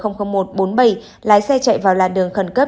một mươi năm g một trăm bốn mươi bảy lái xe chạy vào làn đường khẩn cấp